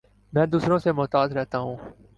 میں دوسروں سے محتاط رہتا ہوں